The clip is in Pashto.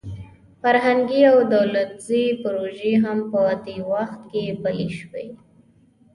فرهنګي او ټولنیزې پروژې هم په دې وخت کې پلې شوې.